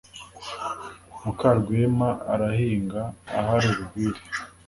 mukarwema arahinga ahari urwiri